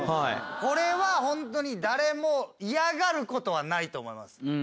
これはホントに誰も嫌がることはないと思います。